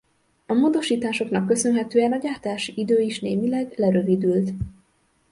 A módosításoknak köszönhetően a gyártási idő is némileg lerövidült.